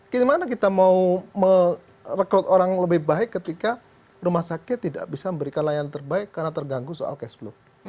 gimana kita mau merekrut orang lebih baik ketika rumah sakit tidak bisa memberikan layanan terbaik karena terganggu soal cash flow